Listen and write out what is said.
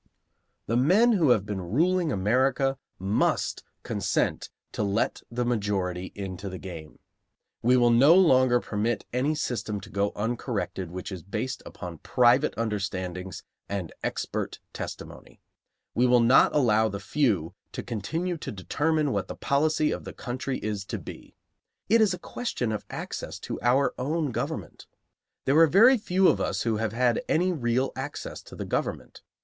The men who have been ruling America must consent to let the majority into the game. We will no longer permit any system to go uncorrected which is based upon private understandings and expert testimony; we will not allow the few to continue to determine what the policy of the country is to be. It is a question of access to our own government. There are very few of us who have had any real access to the government.